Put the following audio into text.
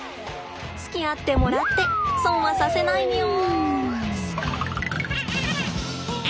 つきあってもらって損はさせないみょん。